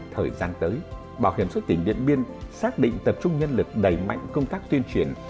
thời gian tới bảo hiểm xuất tỉnh điện biên xác định tập trung nhân lực đẩy mạnh công tác tuyên truyền